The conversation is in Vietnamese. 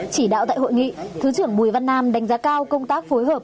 chỉ đạo tại hội nghị thứ trưởng bùi văn nam đánh giá cao công tác phối hợp